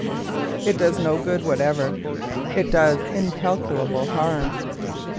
It does no good whatever; it does incalculable harm.